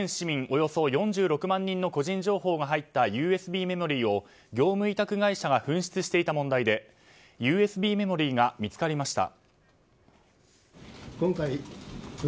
およそ４６万人の個人情報が入ったＵＳＢメモリーを業務委託会社が紛失していた問題でＵＳＢメモリーが見つかりました。